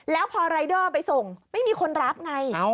แล้วพอรายเดอร์ไปส่งไม่มีคนรับไง